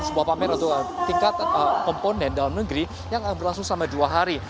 sebuah pamer untuk tingkat komponen dalam negeri yang berlangsung selama dua hari